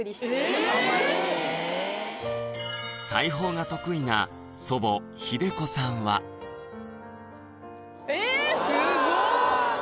裁縫が得意な祖母・秀子さんはえぇすごっ！